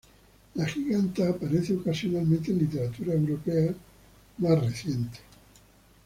La giganta aparece ocasionalmente en literatura europea más reciente.